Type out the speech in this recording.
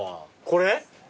これ？